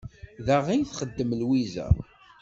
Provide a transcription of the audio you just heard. Da ay txeddem Lwiza?